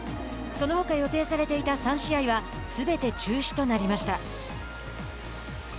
そのほか予定されていた３試合はすべて中止となりました。